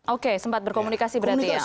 oke sempat berkomunikasi berarti ya